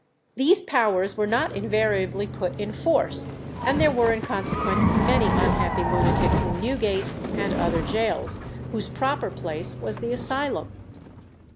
These powers were not invariably put in force, and there were in consequence many unhappy lunatics in Newgate and other gaols, whose proper place was the asylum.